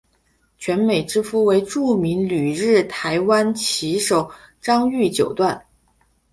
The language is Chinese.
泉美之夫为著名旅日台湾棋手张栩九段。